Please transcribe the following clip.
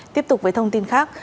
tiếp tục với thông tin khác